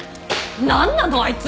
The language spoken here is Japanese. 何なのあいつ！